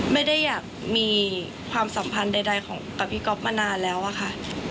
ไม่ได้อยากมีความสัมพันธ์ใดของกับพี่ก๊อฟมานานแล้วอะค่ะ